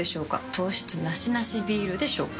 糖質ナシナシビールでしょうか？